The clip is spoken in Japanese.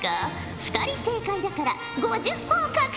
２人正解だから５０ほぉ獲得じゃ。